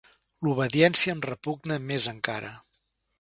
L'obediència em repugna més encara.